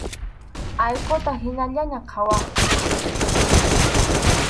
Allquta hinallaña qhawaqku.